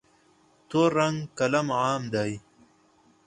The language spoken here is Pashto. تور رنګ قلم عام دی.